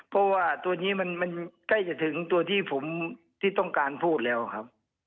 เพราะว่าตัวนี้มันใกล้จะถึงตัวที่ผมที่ต้องการพูดแล้วครับ